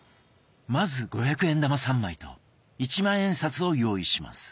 まず五百円玉３枚と一万円札を用意します。